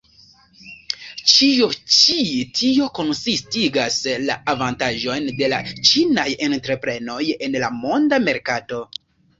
Ĉio ĉi tio konsistigas la avantaĝojn de la ĉinaj entreprenoj en la monda merkato.